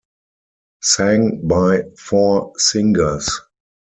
Sang by four singers.